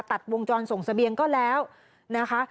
ตัดวงจรส่งเสบียงก็แล้วนะคะ